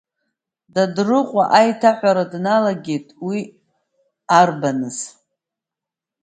Дадрыҟәа аиҭаҳәара дналагеит уи арбаныз.